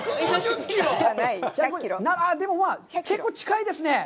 でも、結構近いですね。